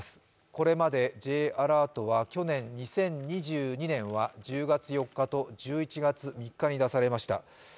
これまでＪアラートは去年、２０２２年は１０月４日と１１月３日に出されました。